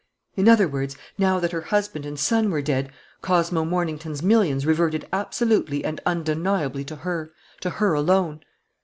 In other words, now that her husband and son were dead, Cosmo Mornington's millions reverted absolutely and undeniably to her, to her alone.